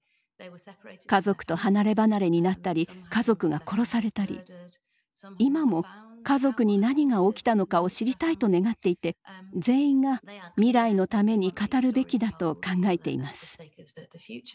家族と離れ離れになったり家族が殺されたり今も家族に何が起きたのかを知りたいと願っていて全員が未来のために語るべきだと考えています。